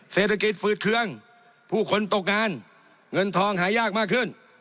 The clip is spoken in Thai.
เศรษฐกิจฝืดเคืองผู้คนตกงานเงินทองหายากมากขึ้น